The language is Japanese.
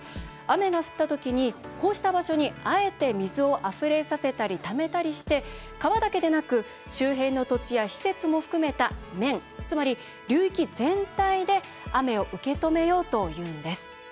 雨が降ったときにこうした場所にあえて水をあふれさせたりためたりして、川だけでなく周辺の土地や施設も含めた面つまり流域全体で雨を受け止めようというのです。